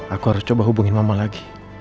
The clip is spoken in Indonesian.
aku harus coba hubungin mama lagi